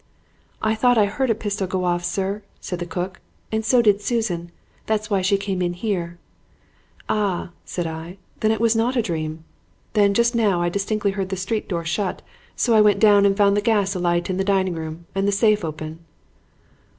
"'I thought I heard a pistol go off, sir,' said the cook, 'and so did Susan. That's why she came in here.' "'Ah!' said I, 'then it was not a dream. Then just now I distinctly heard the street door shut, so I went down and found the gas alight in the dining room and the safe open.'